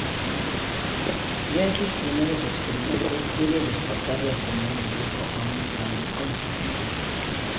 Ya en sus primeros experimentos pudo detectar la señal incluso a muy gran distancia.